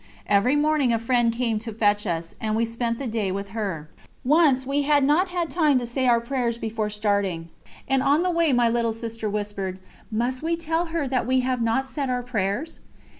Every morning a friend came to fetch us, and we spent the day with her. Once, we had not had time to say our prayers before starting, and on the way my little sister whispered: "Must we tell her that we have not said our prayers?"